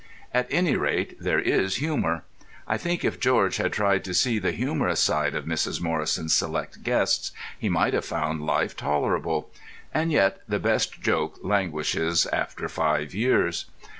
At any rate there is humour. I think if George had tried to see the humorous side of Mrs. Morrison's select guests he might have found life tolerable. And yet the best joke languishes after five years.